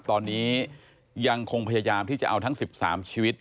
ตอนนี้ยังคงพยายามที่จะเอาทั้ง๑๓ชีวิต